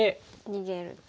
逃げると。